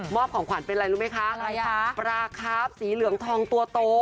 มอบของขวานเป็นอะไรรู้ไหมคะปลาครับสีเหลืองทองตัวโต